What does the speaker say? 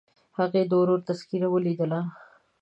هغې د ورور تذکره ولیدله.